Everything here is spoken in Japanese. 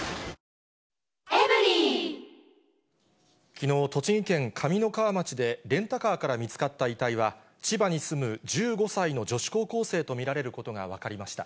きのう、栃木県上三川町でレンタカーから見つかった遺体は、千葉に住む１５歳の女子高校生と見られることが分かりました。